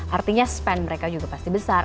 artinya spend mereka juga pasti besar